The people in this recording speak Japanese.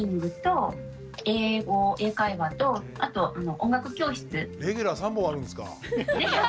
今レギュラー３本あるんですか。